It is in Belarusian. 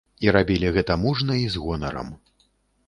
І рабілі гэта мужна і з гонарам.